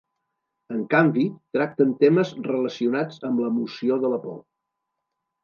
En canvi, tracten temes relacionats amb l'emoció de la por.